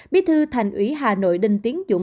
bí thư thành ủy hà nội đinh tiến dũng